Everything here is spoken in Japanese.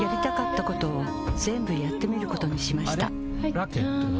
ラケットは？